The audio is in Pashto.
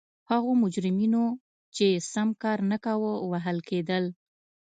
هغو مجرمینو چې سم کار نه کاوه وهل کېدل.